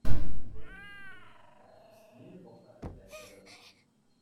Ohne den Montag wäre fast jede Woche eine bessere.